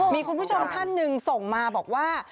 มีคุณผู้ชมท่านหนึ่งส่งมาบอกว่า